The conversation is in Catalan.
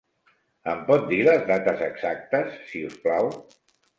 Em pot dir les dates exactes, si us plau?